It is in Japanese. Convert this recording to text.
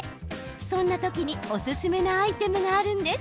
そんな時におすすめなアイテムがあるんです。